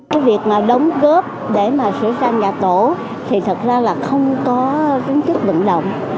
cái việc mà đóng góp để mà sửa sang nhà tổ thì thật ra là không có kiến thức vận động